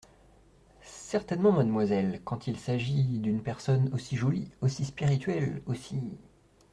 Certainement, mademoiselle… quand il s’agit… d’une personne aussi jolie, aussi spirituelle, aussi…